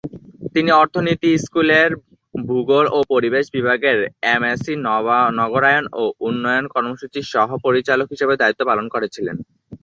তিনি অর্থনীতি স্কুলের ভূগোল ও পরিবেশ বিভাগের এমএসসি নগরায়ন ও উন্নয়ন কর্মসূচির সহ-পরিচালক হিসেবেও দায়িত্ব পালন করেছিলেন।